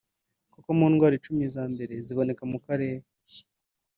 kuko mu ndwara icumu za mbere ziboneka mu karere